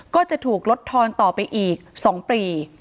ก็จะถูกลดทอนต่อไปอีก๒ปี